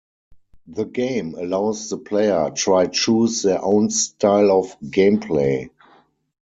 The game allows the player try choose their own style of gameplay.